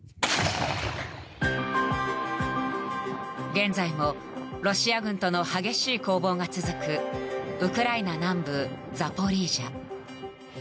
現在もロシア軍との激しい攻防が続くウクライナ南部ザポリージャ。